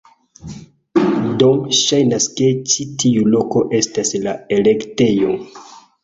Do, ŝajnas ke ĉi tiu loko estas la elektejo